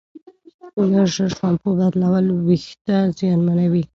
ژر ژر شامپو بدلول وېښتې زیانمنوي.